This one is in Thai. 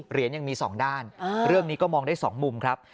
เหรียญยังมี๒ด้านเรื่องนี้ก็มองได้๒มุมครับ